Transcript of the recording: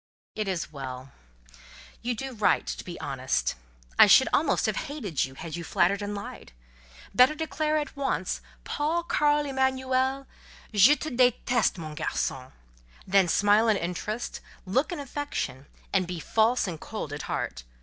"It is well—you do right to be honest. I should almost have hated you had you flattered and lied. Better declare at once 'Paul Carl Emanuel—je te déteste, mon garçon!'—than smile an interest, look an affection, and be false and cold at heart.